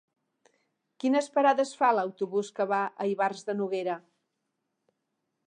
Quines parades fa l'autobús que va a Ivars de Noguera?